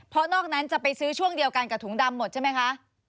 เพราะนอกนั้นจะไปซื้อช่วงเดียวกันกับถุงดำหมดใช่ไหมคะ